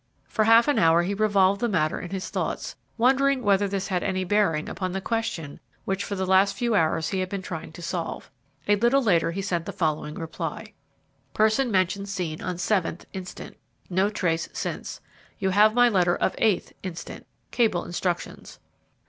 For half an hour he revolved the matter in his thoughts, wondering whether this had any bearing upon the question which for the last few hours he had been trying to solve. A little later he sent the following reply: "Person mentioned seen on 7th instant. No trace since. You have my letter of 8th instant. Cable instructions."